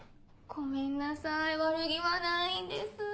ごめんなさい悪気はないんです。